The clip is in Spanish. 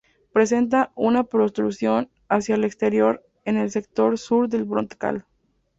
Presenta una protrusión hacia el exterior en el sector sur del brocal.